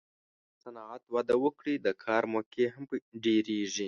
که صنعت وده وکړي، د کار موقعې هم ډېرېږي.